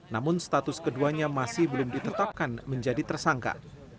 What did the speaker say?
namun status keduanya masih belum ditetapkan menjadi tersangka